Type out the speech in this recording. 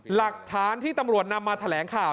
หลักฐานที่ตำรวจนำมาแถลงข่าว